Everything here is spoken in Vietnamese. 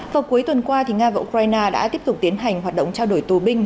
vào cuối tuần qua nga và ukraine đã tiếp tục tiến hành hoạt động trao đổi tù binh